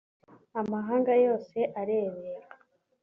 amahanga yose arebera